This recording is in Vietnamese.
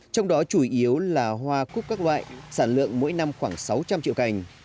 trong đó chủ yếu là hoa cúc các loại sản lượng mỗi năm khoảng sáu trăm linh triệu cành